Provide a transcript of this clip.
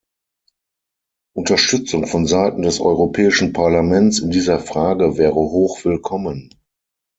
Unterstützung vonseiten des Europäischen Parlaments in dieser Frage wäre hochwillkommen.